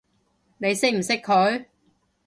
你識唔識佢？